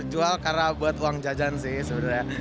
jual karena buat uang jajan sih sebenarnya